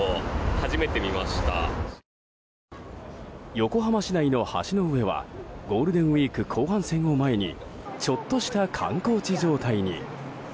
横浜市内の橋の上はゴールデンウィーク後半戦を前にちょっとした観光地状態に。